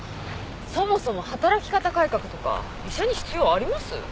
そもそも働き方改革とか医者に必要あります？